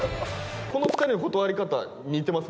この２人の断り方似てます